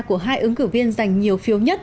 của hai ứng cử viên giành nhiều phiếu nhất